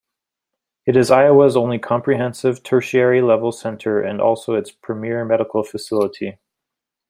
It is Iowa's only comprehensive, tertiary-level center and also its premier medical facility.